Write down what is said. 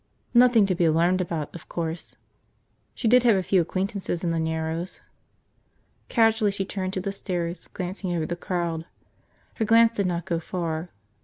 Nothing to be alarmed about, of course. She did have a few acquaintances in the Narrows. Casually she turned to the stairs, glancing over the crowd. Her glance did not go far.